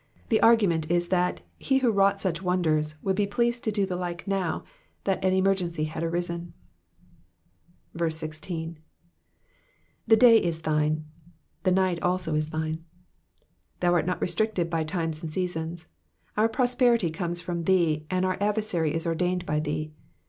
The argument is that he who wrought such wonders would be pleased to do the like now that an emergency had arisen. Digitized by VjOOQIC PSALM THE SEVENTY FOURTH. 373 16. *^The day is thine^ the night also is thine.'*'' Thou art not restricted by times and seasons. Our prosperity comes from thee, and our adversity is or dained by thee.